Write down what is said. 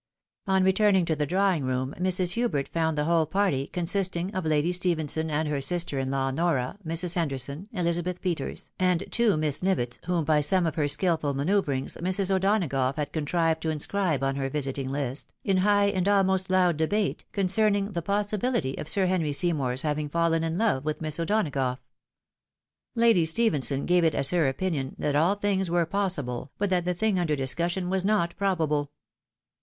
On returning to the drawing room, Mrs. Hubert found the whole party, consisting of Lady Stephenson, and her sister in law Nora, Mrs. Henderson, Elizabeth Peters, and two Miss Nivetts, whom, by some of her skilful manceuvrings, Mrs. O'Donagough had contrived to inscribe on her visiting Ust, in high, and almost loud debate, concerning the possibihty of Sir Henry Seymour's having fallen in love with Miss O'Donagough. Lady Stephenson gave it as her opinion that all things were possible, but that the thing under discussion was not probable.